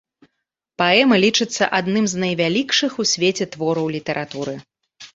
Паэма лічыцца адным з найвялікшых у свеце твораў літаратуры.